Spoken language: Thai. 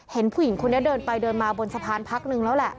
เห็นผู้หญิงคนนี้เดินไปเดินมาบนสะพานพักนึงแล้วแหละ